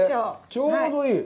ちょうどいい。